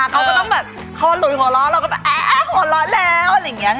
เขาก็ต้องแบบพอหลุยหัวเราะเราก็แบบเอ๊ะหัวเราะแล้วอะไรอย่างนี้